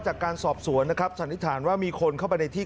จากการสอบสวนนะครับสันนิษฐานว่ามีคนเข้าไปในที่